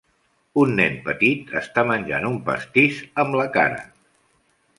Un nen petit està menjant un pastís amb la cara.